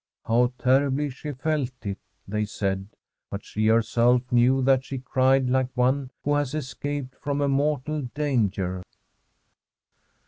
' How terribly she felt it !' they said. But she herself knew that she cried like one who has escaped from a mortal danger.